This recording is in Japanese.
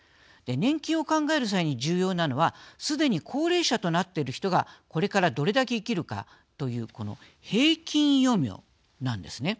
年金を考える際に重要なのはすでに高齢者となっている人がこれからどれだけ生きるかという、この平均余命なんですね。